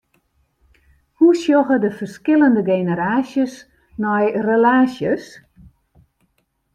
Hoe sjogge de ferskillende generaasjes nei relaasjes?